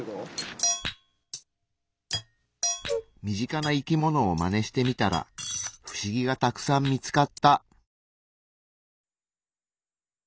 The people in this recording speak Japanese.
身近な生きものをマネしてみたら不思議がたくさん見つかった。